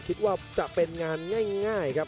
คิดว่าจะเป็นงานง่ายครับ